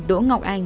đỗ ngọc anh